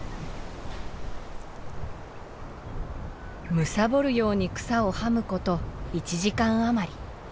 むさぼるように草をはむこと１時間余り。